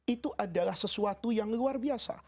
itu adalah sesuatu yang luar biasa